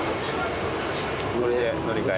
これで乗り換え？